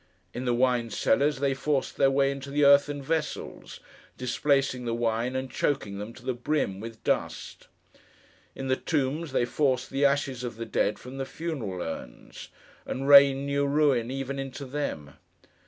In the wine cellars, they forced their way into the earthen vessels: displacing the wine and choking them, to the brim, with dust. In the tombs, they forced the ashes of the dead from the funeral urns, and rained new ruin even into them.